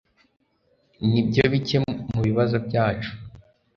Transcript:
Nibyo bike mubibazo byacu